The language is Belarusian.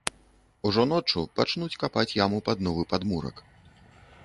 Ужо ноччу пачнуць капаць яму пад новы падмурак.